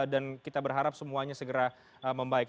dan kita berharap semuanya segera membaik